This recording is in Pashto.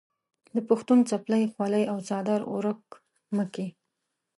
د پښتون څپلۍ، خولۍ او څادر ورک مه کې.